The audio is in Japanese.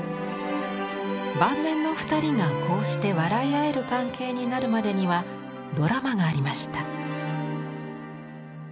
晩年の２人がこうして笑い合える関係になるまでにはドラマがありました。